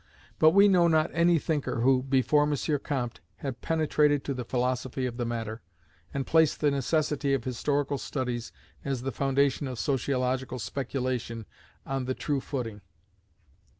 But we know not any thinker who, before M. Comte, had penetrated to the philosophy of the matter, and placed the necessity of historical studies as the foundation of sociological speculation on the true footing.